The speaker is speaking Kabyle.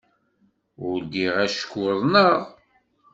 Ur ddiɣ acku uḍneɣ.